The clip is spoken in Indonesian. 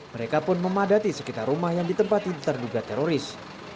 mereka pun memadati sekitar rumah yang ditempati terduga teroris